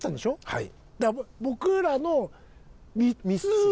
はい！